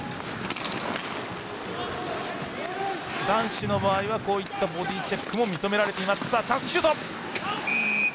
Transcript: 男子の場合はボディーチェックも認められています。